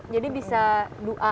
jadi bisa dua ayu